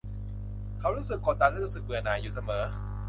เขารู้สึกกดดันและรู้สึกเบื่อหน่ายอยู่เสมอ